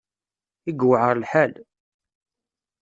I yewεer lḥal!